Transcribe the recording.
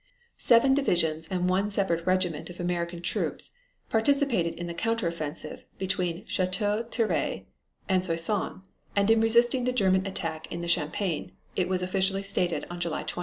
Seven divisions and one separate regiment of American troops participated in the counter offensive between Chateau Thierry and Soissons and in resisting the German attack in the Champagne, it was officially stated on July 20.